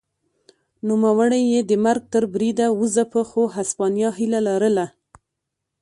نوموړی یې د مرګ تر بریده وځپه خو هسپانیا هیله لرله.